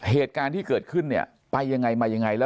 เหตุการณ์ที่เกิดขึ้นเนี่ยไปยังไงมายังไงแล้ว